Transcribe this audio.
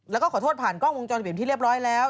แล้วก็ขอโทษผ่านกล้องวงจรปิดที่เรียบร้อยแล้ว